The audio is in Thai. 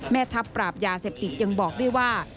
แม่ทัพปราบยาเสพติดยังบอกด้วยว่า